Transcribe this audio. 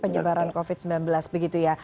penyebaran covid sembilan belas begitu ya